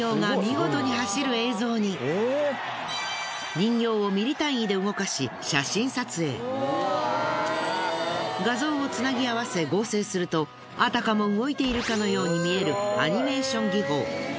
人形を画像を繋ぎ合わせ合成するとあたかも動いているかのように見えるアニメーション技法。